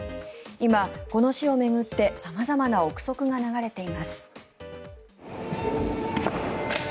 今、この死を巡って様々な臆測が流れています。